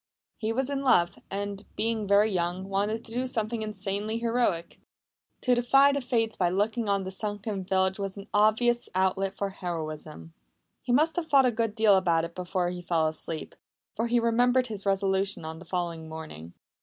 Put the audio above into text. He was in love, and, being very young, wanted to do something insanely heroic. To defy the Fates by looking on the sunken village was an obvious outlet for heroism. He must have thought a good deal about it before he fell asleep, for he remembered his resolution on the following morning.